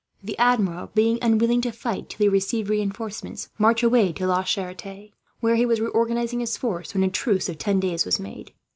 The Admiral, being unwilling to fight till he received reinforcements, marched away to La Charite; where he was reorganizing his force, when a truce of ten days was made.